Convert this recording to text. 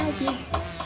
antum ambil aja